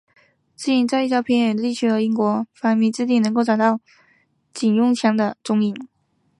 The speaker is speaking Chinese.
至今在一些较偏远地区和前英国殖民地仍然能够找到忌连拿警用枪的踪影。